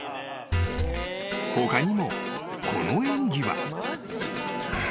［他にもこの演技は］